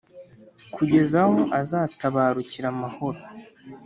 kugeza aho azatabarukira amahoro